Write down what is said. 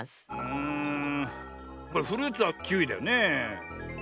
んこれフルーツはキウイだよねえ。